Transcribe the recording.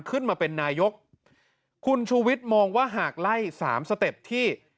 ขึ้นมาเป็นนายกคุณชูวิทย์มองว่าหากไล่สามสเต็ปที่